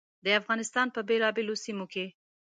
د افغانستان په بېلابېلو سیمو کې.